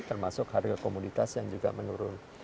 termasuk harga komoditas yang juga menurun